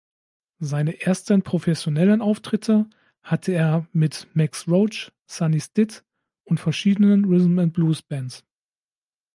Seine ersten professionellen Auftritte hatte er mit Max Roach, Sonny Stitt und verschiedenen Rhythm-and-Blues-Bands.